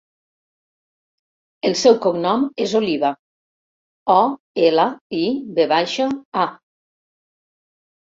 El seu cognom és Oliva: o, ela, i, ve baixa, a.